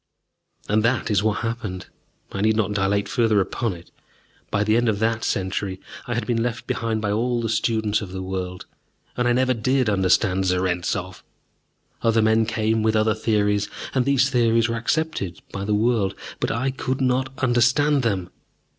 And that is what happened. I need not dilate further upon it. By the end of that century I had been left behind by all the students of the world, and I never did understand Zarentzov. Other men came with other theories, and these theories were accepted by the world. But I could not understand them.